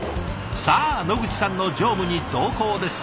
さあ野口さんの乗務に同行です。